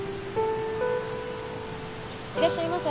いらっしゃいませ。